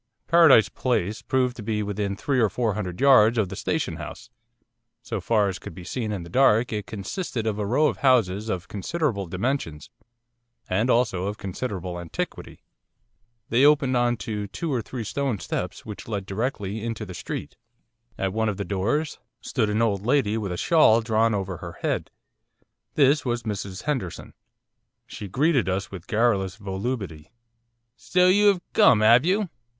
Paradise Place proved to be within three or four hundred yards of the Station House. So far as could be seen in the dark it consisted of a row of houses of considerable dimensions, and also of considerable antiquity. They opened on to two or three stone steps which led directly into the street. At one of the doors stood an old lady with a shawl drawn over her head. This was Mrs Henderson. She greeted us with garrulous volubility. 'So you 'ave come, 'ave you?